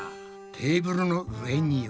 テーブルの上には。